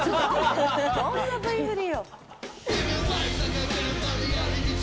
どんなＶ振りよ。